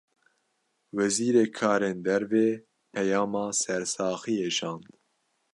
Wezîrê karên derve, peyama sersaxiyê şand